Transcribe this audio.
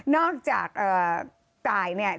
อกจากตายเนี่ย